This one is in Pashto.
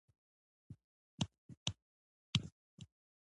• د لمر د غروب نندارې ته کښېنه.